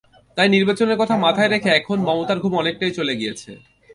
তাই নির্বাচনের কথা মাথায় রেখে এখন মমতার ঘুম অনেকটাই চলে গিয়েছে।